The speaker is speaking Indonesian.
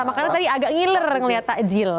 karena tadi agak ngiler ngeliat takjil